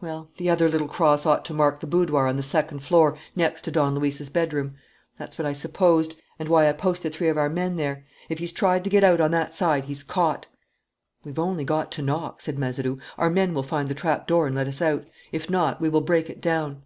Well, the other little cross ought to mark the boudoir on the second floor, next to Don Luis's bedroom. That's what I supposed, and why I posted three of our men there. If he's tried to get out on that side, he's caught." "We've only got to knock," said Mazeroux. "Our men will find the trapdoor and let us out. If not, we will break it down."